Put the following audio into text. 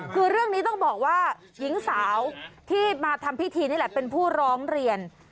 คือเรื่องนี้ต้องบอกว่าหญิงสาวที่มาทำพิธีนี่แหละเป็นผู้ร้องเรียน